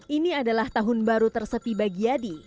ini adalah tahun baru tersepi bagi yadi